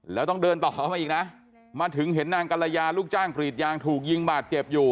แล้วต้องเดินต่อเข้ามาอีกนะมาถึงเห็นนางกัลยาลูกจ้างกรีดยางถูกยิงบาดเจ็บอยู่